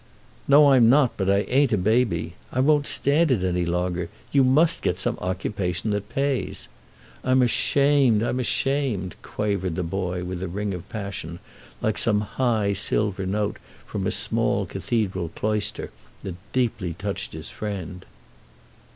"No I'm not, but I ain't a baby. I won't stand it any longer. You must get some occupation that pays. I'm ashamed, I'm ashamed!" quavered the boy with a ring of passion, like some high silver note from a small cathedral cloister, that deeply touched his friend.